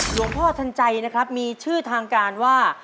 หลวงพ่อทันใจนะครับมีชื่อทางการว่า